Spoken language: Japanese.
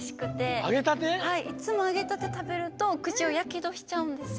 はいいつもあげたてたべるとくちをやけどしちゃうんですよ。